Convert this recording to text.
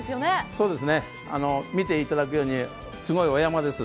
そうです、見ていただくようにすごいお山です。